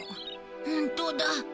本当だ。